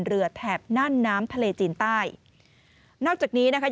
แถบนั่นน้ำทะเลจีนใต้นอกจากนี้นะคะ